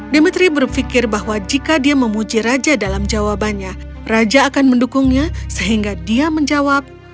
demiteri berpikir bahwa jika dia memuji raja dalam jawabannya raja akan mendukungnya sehingga dia menjawab